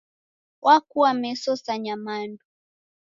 Wakua meso sa nyamandu